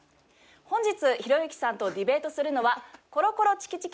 本日、ひろゆきさんとディベートするのはコロコロチキチキ